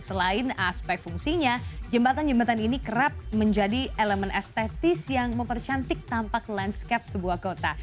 selain aspek fungsinya jembatan jembatan ini kerap menjadi elemen estetis yang mempercantik tampak landscape sebuah kota